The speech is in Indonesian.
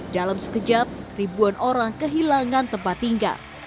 dalam sekejap ribuan orang kehilangan tempat tinggal